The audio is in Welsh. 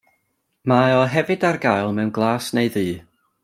Mae o hefyd ar gael mewn glas neu ddu.